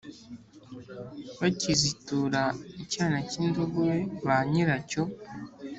Bakizitura icyana cy indogobe ba nyiracyo